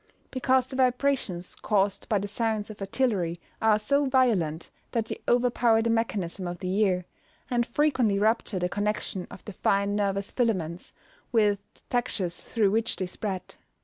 _ Because the vibrations caused by the sounds of artillery are so violent that they overpower the mechanism of the ear, and frequently rupture the connection of the fine nervous filaments with the textures through which they spread.